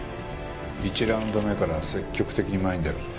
１ラウンド目から積極的に前に出ろ。